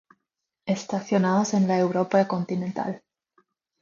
Estacionados en la Europa continental.